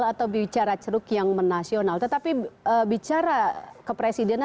atau bicara ceruk yang menasional tetapi bicara ke presiden